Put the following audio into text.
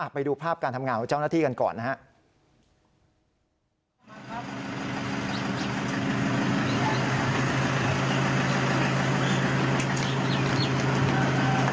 ไปดูภาพการทำงานของเจ้าหน้าที่กันก่อนนะครับ